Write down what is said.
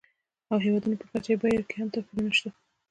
او د هېوادونو په کچه یې بیو کې هم توپیرونه شته.